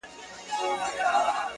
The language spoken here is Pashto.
زما وطن هم لکه غښتلی چنار٫